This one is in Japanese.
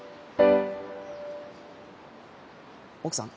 奥さん？